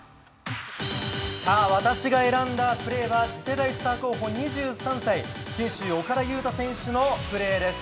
さあ、私が選んだプレーは次世代スター候補２３歳、信州岡田侑大選手のプレーです。